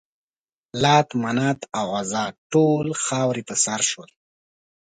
لات، منات او عزا ټول خاورې په سر شول.